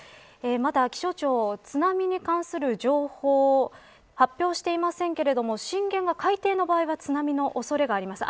まだ気象庁、津波に関する情報は発表していませんけれども震源が海底の場合は津波の恐れがあります。